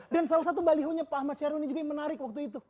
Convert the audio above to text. dan salah satu baliho nya pak ahmad syaroni juga yang menarik waktu itu